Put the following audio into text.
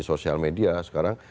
sosial media sekarang